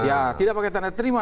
ya tidak pakai tanda terima